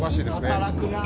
「働くなあ」